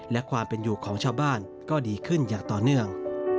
และความเป็นอยู่ของชาวบ้านก็ดีขึ้นอย่างต่อเนื่อง